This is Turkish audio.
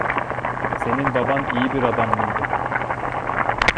Senin baban iyi bir adam mıydı?